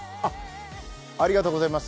ありがとうございます。